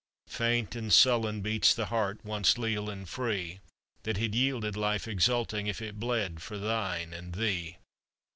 Faint and sullen Beats the heart, once leal and free, That had yielded life exulting, If it bled for thine and thee.